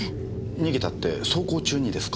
逃げたって走行中にですか？